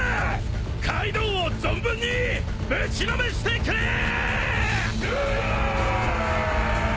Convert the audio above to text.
カイドウを存分にぶちのめしてくれー！